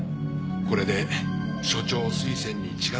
これで署長推薦に近づいたな。